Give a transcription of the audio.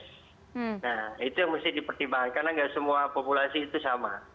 nah itu yang mesti dipertimbangkan karena semua populasi itu sama